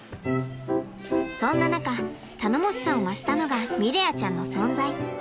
そんな中頼もしさを増したのがミレアちゃんの存在。